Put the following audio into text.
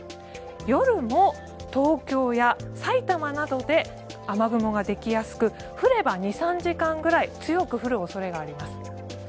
夜も東京や埼玉などで雨雲ができやすく降れば２３時間くらい強く降る恐れがあります。